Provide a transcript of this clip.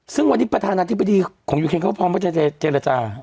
ซึ่งวันนี้ประธานาธิบดีของยูเคนเขาพร้อมว่าจะเจรจา